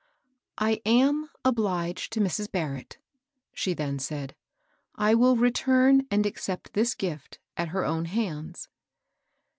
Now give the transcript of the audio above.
I am obliged to Mrs. Barrett," she then said. " I will return and accept this gift at her own hands."